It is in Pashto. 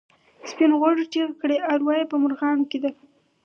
سپین غوږو چیغې کړې اروا یې په مرغانو کې ده.